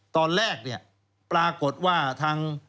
ตอนแรกเนี่ยปรากฏว่าทาง